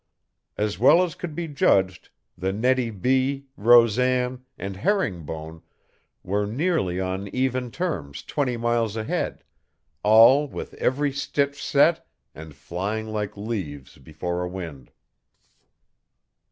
As well as could be judged, the Nettie B., Rosan, and Herring Bone were nearly on even terms twenty miles ahead, all with every stitch set and flying like leaves before a wind.